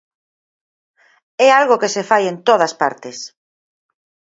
É algo que se fai en todas partes.